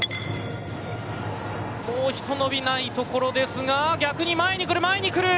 もうひとのびないところですが、逆に前に来る、前に来る。